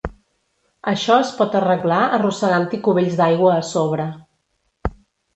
Això es pot arreglar arrossegant-hi cubells d'aigua a sobre.